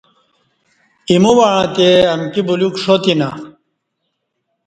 ایمو وعں تے امکی بلیوک ݜاتینہ